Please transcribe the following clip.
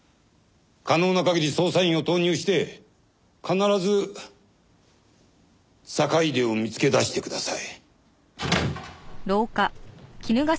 可能な限り捜査員を投入して必ず坂出を見つけ出してください。